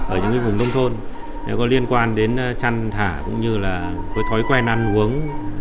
ở những vùng nông thôn có liên quan đến chăn thả cũng như là cái thói quen ăn uống